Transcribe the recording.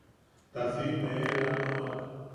Ta siʼime eela ama joʼak.